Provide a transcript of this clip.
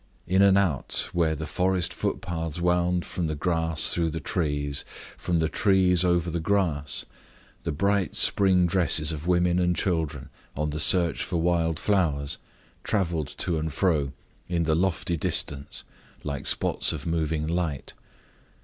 In and out, where the forest foot paths wound from the grass through the trees, from the trees over the grass, the bright spring dresses of women and children, on the search for wild flowers, traveled to and fro in the lofty distance like spots of moving light.